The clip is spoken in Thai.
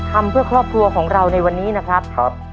ทำเพื่อครอบครัวของเราในวันนี้นะครับ